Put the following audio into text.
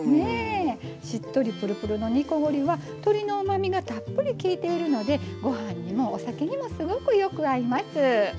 しっとりぷるぷるの煮こごりは鶏のうまみがたっぷりきいているのでごはんにもお酒にもすごくよく合います。